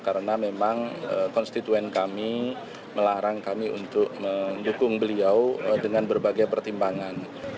karena memang konstituen kami melarang kami untuk mendukung beliau dengan berbagai pertimbangan